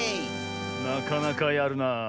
なかなかやるなあ。